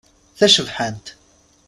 Tacebḥant.